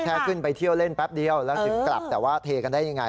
แค่ขึ้นไปเที่ยวเล่นแป๊บเดียวแล้วถึงกลับแต่ว่าเทกันได้ยังไง